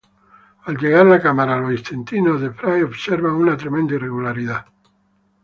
Al llegar la cámara a los intestinos de Fry observan una tremenda irregularidad.